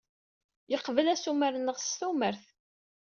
Yeqbel assumer-nneɣ s tumert.